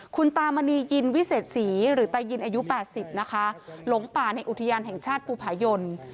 คุณตามณียินวิเศษศรีหรือตายินอายุ๘๐นะคะหลงป่าในอุทยานแห่งชาติภูผายน